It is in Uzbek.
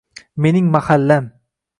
Mening mahallam